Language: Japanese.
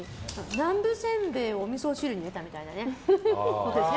南部せんべいをおみそ汁に入れたみたいなことですね。